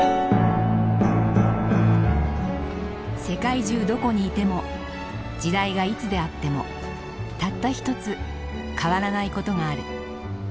世界中どこにいても時代がいつであってもたった一つ変わらないことがある。